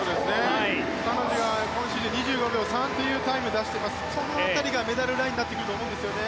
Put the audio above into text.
彼女が今シーズン２５秒３というタイムを出していてこの辺りがメダルラインになってくると思うんですよね。